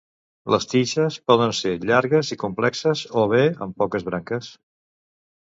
Les tiges poden ser llargues i complexes o bé amb poques branques.